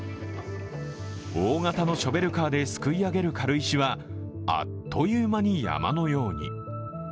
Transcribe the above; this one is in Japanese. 大型のショベルカーですくい上げる軽石はあっという間に山のように。